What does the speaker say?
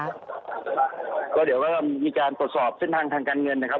ก็เดี๋ยวก็มีการตรวจสอบเส้นทางทางการเงินนะครับ